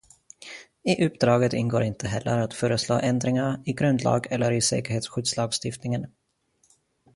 I uppdraget ingår inte heller att föreslå ändringar i grundlag eller i säkerhetsskyddslagstiftningen.